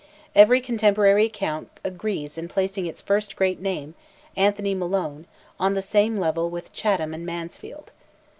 Every contemporary account agrees in placing its first great name—Anthony Malone—on the same level with Chatham and Mansfield.